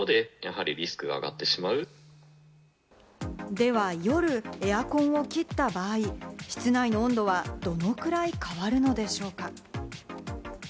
では夜、エアコンを切った場合、室内の温度はどのくらい変わるのでしょうか？